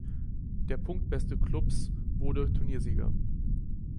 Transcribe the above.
Der punktbeste Klubs wurde Turniersieger.